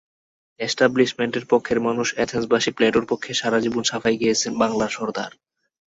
এস্টাবলিশমেন্টের পক্ষের মানুষ অ্যাথেন্সবাসী প্লেটোর পক্ষে সারা জীবন সাফাই গেয়েছেন বাংলার সরদার।